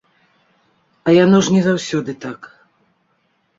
А яно ж не заўсёды так.